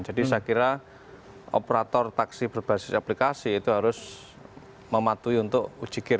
jadi saya kira operator taksi berbasis aplikasi itu harus mematuhi untuk ujigir